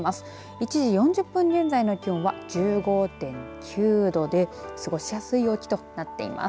１時４０分現在の気温は１５．９度で過ごしやすい陽気となっています。